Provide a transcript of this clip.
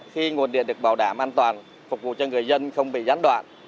khi nguồn điện được bảo đảm an toàn phục vụ cho người dân không bị gián đoạn